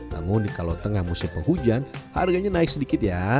namun kalau tengah musim penghujan harganya naik sedikit ya